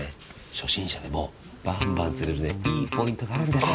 初心者でもバンバン釣れるねいいポイントがあるんですよ。